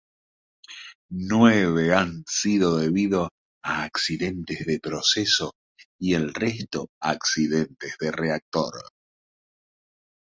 Nueve han sido debido a accidentes de proceso, y el resto accidentes de reactor.